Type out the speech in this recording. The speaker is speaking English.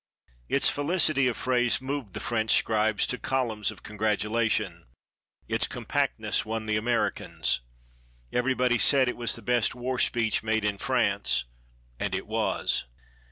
Its felicity of phrase moved the French scribes to columns of congratulation. Its compactness won the Americans. Everybody said it was the best war speech made in France, and it was.